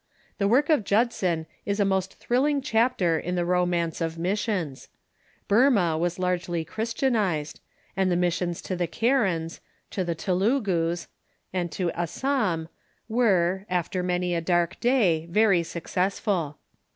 The work of Judson is a most thrilling chapter in the romance of missions. Burma was largely Christianized, and the missions to the Karens, to the Telugus, and to Assam were, after many a dark day, very successful.